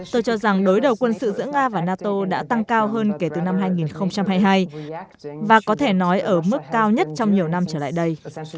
tôi cho rằng đối đầu quân sự giữa nga và nato đã tăng cao hơn kể từ năm hai nghìn hai mươi hai và có thể nói ở mức cao nhất trong nhiều năm trở lại đây